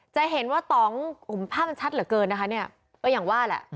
จะเห็นว่าตองภาพชัดเหลือเกินนะคะอย่างว่าและ